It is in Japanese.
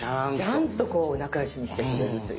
ちゃんとこう仲良しにしてくれるという。